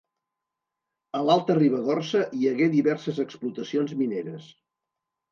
A l'Alta Ribagorça hi hagué diverses explotacions mineres.